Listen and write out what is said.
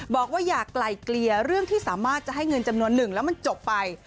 บอกว่าอยากไกลเกลี่ยเรื่องที่สามารถจะให้เงินจำนวนหนึ่งแล้วมันจบไป